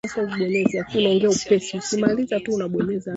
kuwa mchujo unafanyika katika njia ya huru